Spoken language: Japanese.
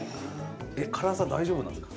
えっ辛さ大丈夫なんですか？